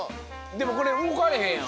でもこれうごかれへんやん。